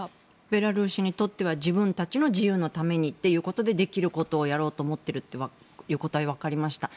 ベラルーシにとっては自分たちの自由のためにということでできることをやろうと思っていることは分かりました。